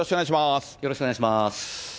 よろしくお願いします。